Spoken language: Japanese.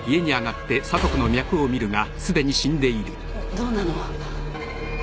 どうなの？